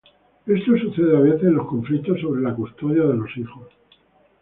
Esto sucede a veces en los conflictos sobre la custodia de los hijos.